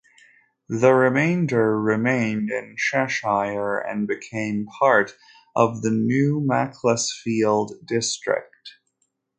The remainder remained in Cheshire and became part of the new Macclesfield district.